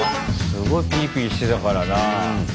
すごいピリピリしてたからな。